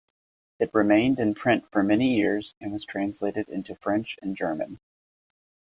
It remained in print for many years and was translated into French and German.